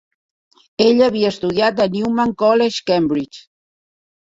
Ella havia estudiat a Newnham College, Cambridge.